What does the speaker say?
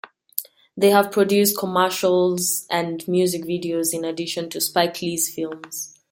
They have produced commercials and music videos in addition to Spike Lee's films.